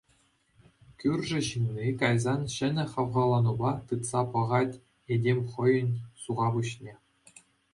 Кӳршӗ ҫынни кайсан ҫӗнӗ хавхаланупа тытса пӑхать этем хӑйӗн суха пуҫне.